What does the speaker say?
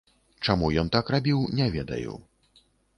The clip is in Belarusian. Чаму ён так рабіў, не ведаю.